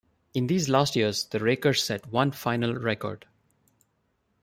In these last years, the Rakers set one final record.